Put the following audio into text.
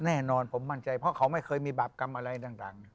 แน่นอนผมมั่นใจเพราะเขาไม่เคยมีบาปกรรมอะไรต่าง